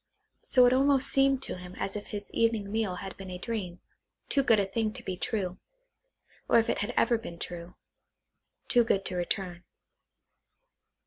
So it almost seemed to him as if his evening meal had been a dream, too good a thing to be true, or if it had ever been true, too good to return.